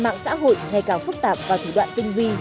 mạng xã hội ngày càng phức tạp và thủ đoạn tinh vi